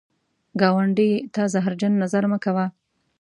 ګاونډي ته زهرجن نظر مه کوه